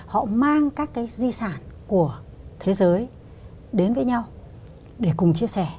họ mang các cái di sản của thế giới đến với nhau để cùng chia sẻ